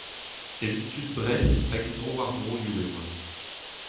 Evit tud Brest hag he zrowardroioù e oa.